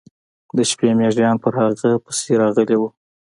د شپې میږیان پر هغه پسې راغلي و.